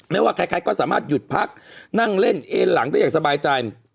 ไม่ว่าใครก็สามารถหยุดพักนั่งเล่นเอ็นหลังได้อย่างสบายใจ